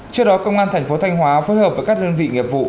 trước đó công an tp thanh hóa phối hợp với các đơn vị nghiệp vụ